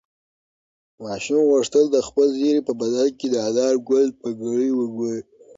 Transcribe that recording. ماشوم غوښتل چې د خپل زېري په بدل کې د انارګل پګړۍ وګوري.